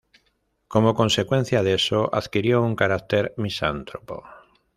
Como consecuencia de eso, adquirió un carácter misántropo.